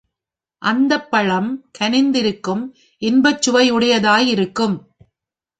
அந்தப் பழம் கனிந்திருக்கும் இன்பச்சுவை உடையதாய் இருக்கும்.